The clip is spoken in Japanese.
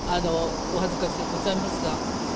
お恥ずかしゅうございますが。